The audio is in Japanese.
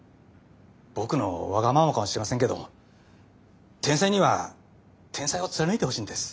僕のわがままかもしれませんけど天才には天才を貫いてほしいんです。